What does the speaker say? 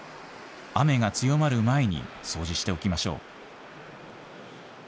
雨が強まる前に掃除しておきましょう。